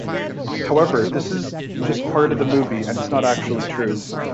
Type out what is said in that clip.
However, this is just part of the movie, and is not actually true.